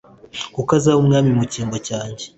kuko azaba umwami mu cyimbo cyanjye